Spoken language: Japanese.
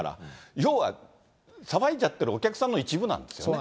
要は、騒いじゃってるお客さんの一部なんです。